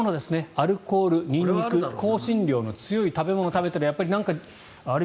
アルコール、ニンニク香辛料の強い食べ物を食べたらあれ？